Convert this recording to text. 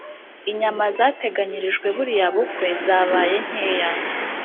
inyama zateganyirijwe buriya bukwe zabaye nkeya